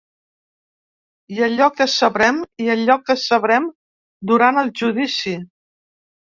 I allò que sabrem, i allò que sabrem durant el judici.